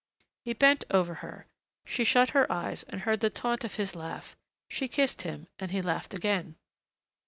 He bent over her. She shut her eyes and heard the taunt of his laugh. She kissed him, and he laughed again.